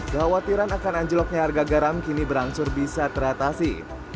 kekhawatiran akan anjloknya harga garam kini berangsur bisa teratasi